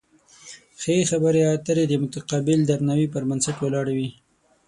ښې خبرې اترې د متقابل درناوي پر بنسټ ولاړې وي.